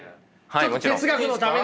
ちょっと哲学のためですので。